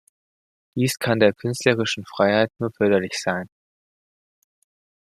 Dies kann der künstlerischen Freiheit nur förderlich sein.